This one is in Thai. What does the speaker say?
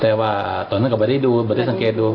แต่ว่าตอนนั้นก็ไม่ได้ดูไม่ได้สังเกตดู